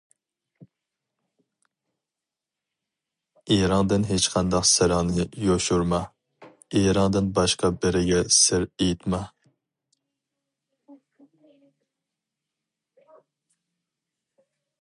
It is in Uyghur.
ئېرىڭدىن ھېچقانداق سىرىڭنى يوشۇرما، ئېرىڭدىن باشقا بىرىگە سىر ئېيتما.